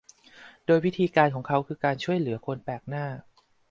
โดยวิธีการของเขาคือการช่วยเหลือคนแปลกหน้า